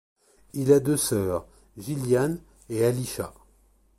Il a deux sœurs, Jillian et Alysha.